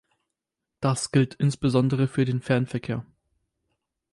Das gilt insbesondere für den Fernverkehr.